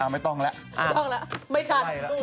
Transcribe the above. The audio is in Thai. อ้าวไม่ต้องแล้วไม่ต้องแล้วไม่ชัด